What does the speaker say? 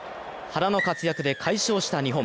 原の活躍で快勝した日本。